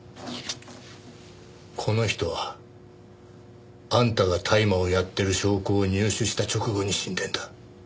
この人はあんたが大麻をやってる証拠を入手した直後に死んでんだ。